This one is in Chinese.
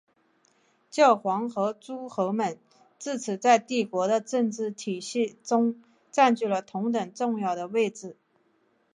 教皇和诸侯们自此在帝国的政治体系中占据了同等重要的位置。